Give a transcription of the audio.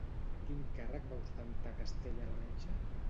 Quin càrrec va ostentar a Castella-la Manxa?